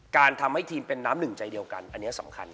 การทำให้ทีมเป็นน้ำหนึ่งใจเดียวกันอันนี้สำคัญ